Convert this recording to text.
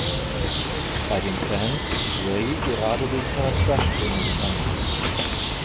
Bei den Fans ist Ray gerade wegen seiner Trash-Filme bekannt.